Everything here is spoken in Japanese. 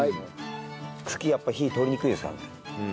茎はやっぱ火が通りにくいですからね。